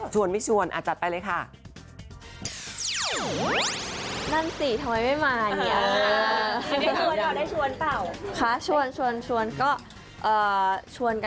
ชวนไม่ชวนจัดไปเลยค่ะ